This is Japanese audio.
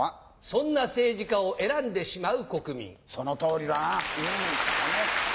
そんな政治家を選んでしまうそのとおりだな。